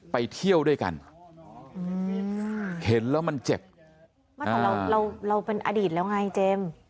ไปเที่ยวด้วยกันเห็นแล้วมันเจ็บไม่แต่เราเราเป็นอดีตแล้วไงเจมส์